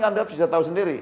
anda bisa tahu sendiri